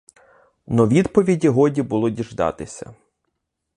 Но відповіді годі було діждатися.